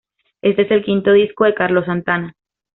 Este es el quinto disco de Carlos Santana.